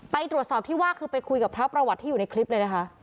ไปตรวจสอบที่ว่าคือไปคุยกับพระประวัติที่อยู่ในคลิปเลยนะคะ